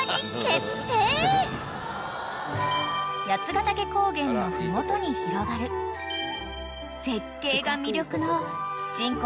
［八ヶ岳高原の麓に広がる絶景が魅力の人口